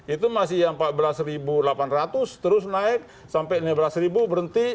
itu masih yang rp empat belas delapan ratus terus naik sampai rp lima belas berhenti